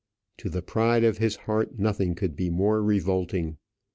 To the pride of his heart nothing could be more revolting.